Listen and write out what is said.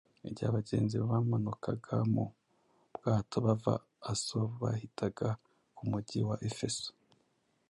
Igihe abagenzi bamanukaga mu bwato bava Aso bahitaga ku mujyi wa Efeso